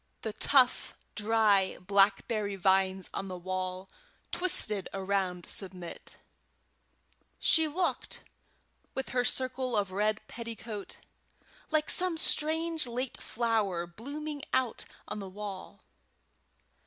] The tough dry blackberry vines on the wall twisted around Submit; she looked, with her circle of red petticoat, like some strange late flower blooming out on the wall.